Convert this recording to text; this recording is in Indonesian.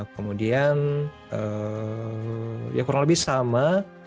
kemudian ya kurang lebih sama